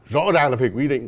rõ ràng là phải quy định